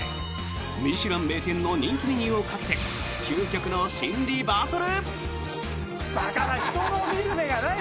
ミシュラン名店の人気メニューをかけて究極の心理バトル！